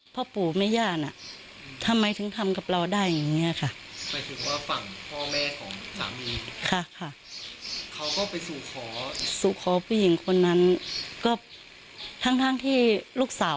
พ่อปู่แม่ย่าน่ะทำไมถึงทำกับเราได้อย่างนี้ค่ะ